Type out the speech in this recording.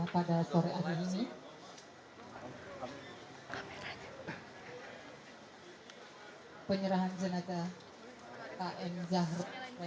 penyerahan jenazah km zahra